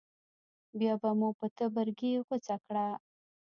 بیا به مو په تبرګي غوڅه کړه.